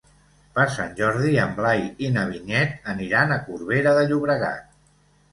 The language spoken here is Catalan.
Per Sant Jordi en Blai i na Vinyet aniran a Corbera de Llobregat.